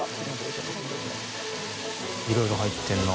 いろいろ入ってるな。